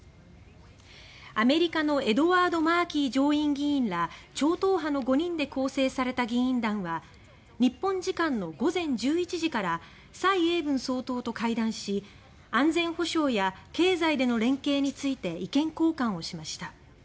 アメリカのエドワード・マーキー上院議員ら超党派の５人で構成された議員団は日本時間の午前１１時から蔡英文総統と会談し安全保障や経済での連携について意見交換をしました。